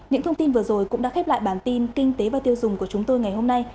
những thông tin vừa rồi cũng đã khép lại bản tin kinh tế và tiêu dùng của chúng tôi ngày hôm nay